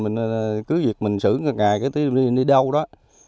mình cứ việc mình xử ngày cái thứ đi đâu đó